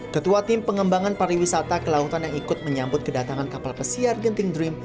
ketua tim pengembangan pariwisata kelautan yang ikut menyambut kedatangan kapal pesiar genting dream